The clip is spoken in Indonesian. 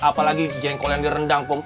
apalagi jengkol yang direndang